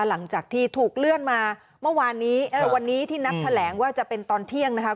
หลังจากที่ถูกเลื่อนมาเมื่อวานนี้วันนี้ที่นัดแถลงว่าจะเป็นตอนเที่ยงนะครับ